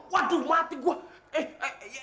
waduh mati gua